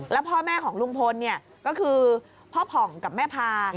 แล้วพ่อแม่ของลุงพลก็คือพ่อผ่องกับแม่พา